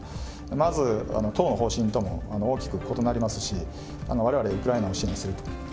まず党の方針とも大きく異なりますし、われわれはウクライナを支援すると。